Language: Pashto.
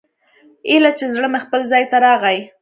ايله چې زړه مې خپل ځاى ته راغى.